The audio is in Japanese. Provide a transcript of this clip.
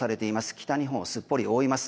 北日本をすっぽり覆います。